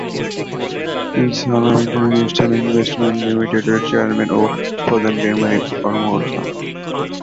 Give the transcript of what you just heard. তিনি Salam International Investment লিমিটেডের chairman ও প্রধান নির্বাহী কর্মকর্তা।